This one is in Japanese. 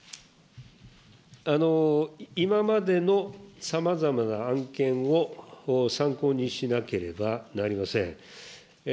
今までのさまざまな案件を参考にしなければなりません。